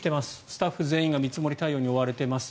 スタッフ全員が見積もり対応に追われています。